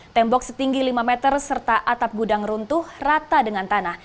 tembok setinggi lima meter serta atap gudang runtuh rata dengan tanah